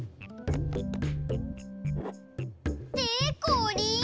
でこりん！